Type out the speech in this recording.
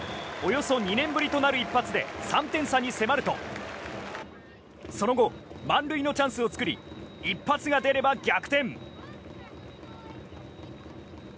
およそ２年ぶりとなる一発で３点差に迫るとその後、満塁のチャンスを作り一発が出れば逆転。